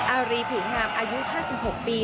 อารีผืนงามอายุ๕๖ปี